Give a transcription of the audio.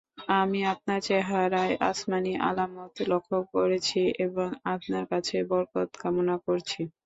আমি আপনার চেহারায় আসমানী আলামত লক্ষ্য করেছি এবং আপনার কাছে বরকত কামনা করছি।